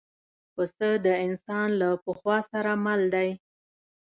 پسه د انسان له پخوا سره مل دی.